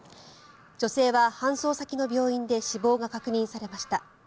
女性は搬送先の病院で死亡が確認されました。